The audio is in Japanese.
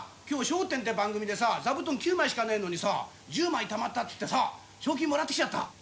今日『笑点』って番組でさ座布団９枚しかねえのにさ１０枚たまったっつってさ賞金もらって来ちゃった。